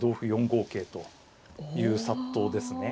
４五桂という殺到ですね。